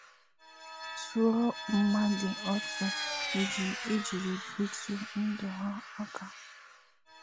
tụụmadị otu ị jiri bitụ ndụ ha aka